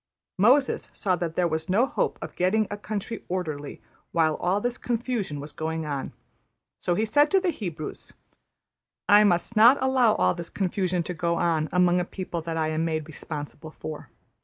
Moses saw that there was no hope of getting a country orderly while all this confusion was going on; so he said to the Hebrews, ``I must not allow all this confusion to go on among a people that I am made responsible for.